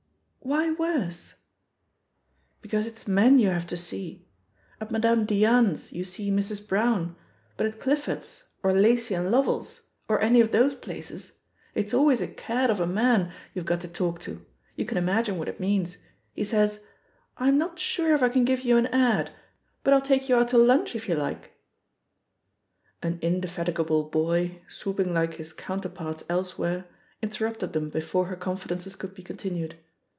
"Why Vorse'?" "Because it's men you have to see. At Madame Diane's you see Mrs. Brown, but at Clifford's, or Lacy and Lovell's, or any of those places, it's always a cad of a man you've got to THE POSITION OF PEGGY HARPER 208 talk to. You can imagine what it means. He says, 'I'm not sure if I can give you an ad, but 1*11 take you out to lunch if you likeT " An indefatigable boy, swooping like his coun terparts elsewhere, interrupted them before her confidences could be continued.